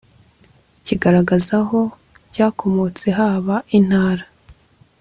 kigaragaza aho cyakomotse haba intara